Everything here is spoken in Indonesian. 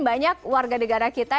banyak warga negara kita